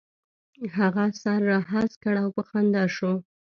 هغه سر را هسک کړ او په خندا شو.